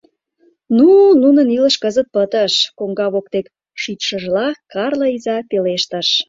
— Ну, нунын илыш кызыт пытыш, — коҥга воктек шичшыжла Карла иза пелештыш.